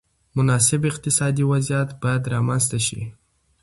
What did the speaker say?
مناسب اقتصادي وضعیت باید رامنځته شي.